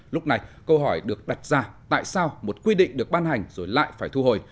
lúc này câu hỏi được đặt ra tại sao một quy định được ban hành rồi lại phải thu hồi